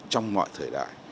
trong mọi thời đại